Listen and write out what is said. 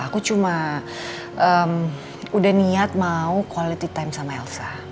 aku cuma udah niat mau quality time sama elsa